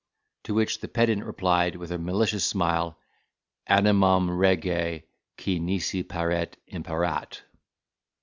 To which the pedant replied, with a malicious smile—"Animum rege, qui, nisi paret, imperat."